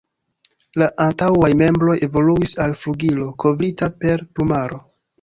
La antaŭaj membroj evoluis al flugilo kovrita per plumaro.